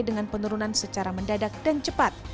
dengan penurunan secara mendadak dan cepat